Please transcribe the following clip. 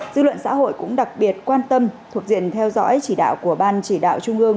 dư luận xã hội cũng đặc biệt quan tâm thuộc diện theo dõi chỉ đạo của ban chỉ đạo trung ương